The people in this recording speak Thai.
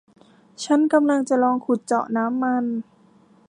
ฉันกำลังจะลองขุดเจาะน้ำมัน